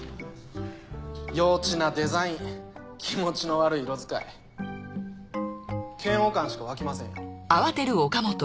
幼稚なデザイン気持ちの悪い色使い嫌悪感しか湧きませんよ。